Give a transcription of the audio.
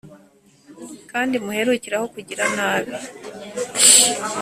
kandi muherukire aho kugira nabi!